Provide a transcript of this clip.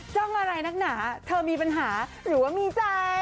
จ้องอะไรนักหนาเธอมีปัญหาหรือว่ามีใจ